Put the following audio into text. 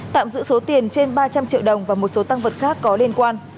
tạm giữ số tiền trên ba trăm linh triệu đồng và một số tăng vật khác có liên quan